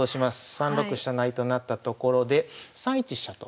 ３六飛車成となったところで３一飛車と。